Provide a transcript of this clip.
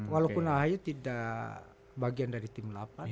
walaupun ahaya tidak bagian dari tim delapan ya